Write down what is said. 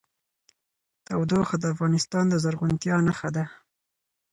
تودوخه د افغانستان د زرغونتیا نښه ده.